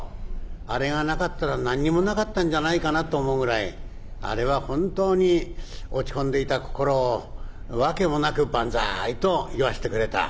あれがなかったら何にもなかったんじゃないかなと思うぐらいあれは本当に落ち込んでいた心を訳もなく「バンザイ」と言わせてくれた